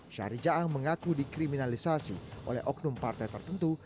syahri jaang mengaku dikriminalisasi oleh oknum partai tertentu